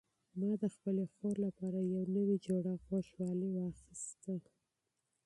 ما د خپلې خور لپاره یو نوی جوړه غوږوالۍ واخیستې.